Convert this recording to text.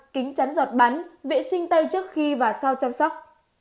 kính chắn giọt bắn vệ sinh tay trước khi và sau chăm sóc